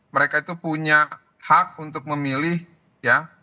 mereka itu punya hak untuk memilih ya